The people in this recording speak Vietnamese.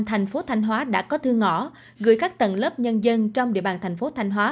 thành phố thanh hóa đã có thư ngõ gửi các tầng lớp nhân dân trong địa bàn thành phố thanh hóa